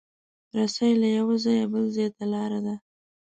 رسۍ له یو ځایه بل ځای ته لاره ده.